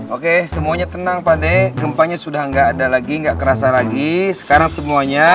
oke semuanya tenang pak de gempanya sudah nggak ada lagi nggak kerasa lagi sekarang semuanya